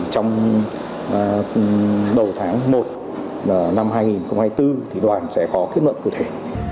trong đầu tháng một năm hai nghìn hai mươi bốn thì đoàn sẽ có kết luận cụ thể